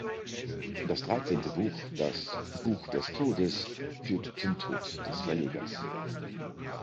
Das dreizehnte Buch, das „Buch des Todes“, führt zum Tod des Verlegers.